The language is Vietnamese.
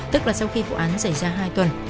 tức là sau khi vụ án xảy ra hai tuần